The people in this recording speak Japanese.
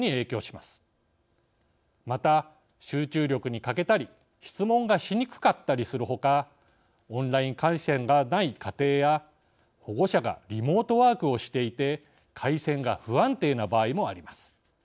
また集中力に欠けたり質問がしにくかったりするほかオンライン回線がない家庭や保護者がリモートワークをしていて回線が不安定な場合もあります。